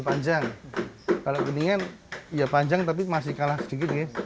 panjang kalau kuningan ya panjang tapi masih kalah sedikit ya